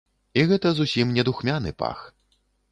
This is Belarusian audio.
І гэта зусім не духмяны пах.